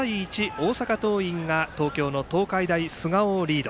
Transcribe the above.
大阪桐蔭が東京の東海大菅生をリード。